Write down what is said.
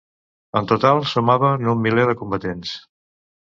En total sumaven un miler de combatents.